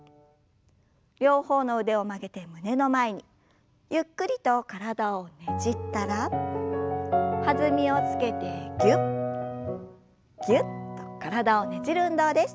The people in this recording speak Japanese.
両方の腕を曲げて胸の前にゆっくりと体をねじったら弾みをつけてぎゅっぎゅっと体をねじる運動です。